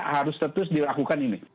harus tetus dilakukan ini